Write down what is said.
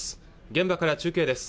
現場から中継です